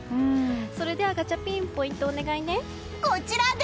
それではガチャピンポイントをお願いね。